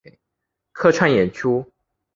客串演出